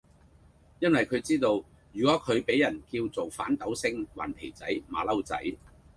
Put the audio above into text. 因為佢知道，如果佢俾人叫做反鬥星，頑皮仔，馬騮仔